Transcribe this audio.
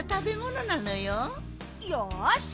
よし！